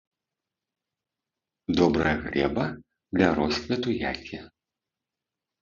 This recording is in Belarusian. Добрая глеба для росквіту які.